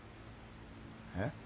えっ？